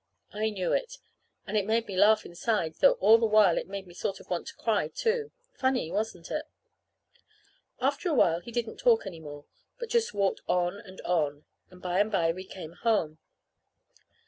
I knew it, and it made me laugh inside, though all the while it made me sort of want to cry, too. Funny, wasn't it? After a time he didn't talk any more, but just walked on and on; and by and by we came home.